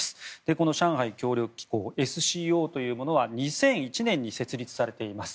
この上海協力機構・ＳＣＯは２００１年に設立されています。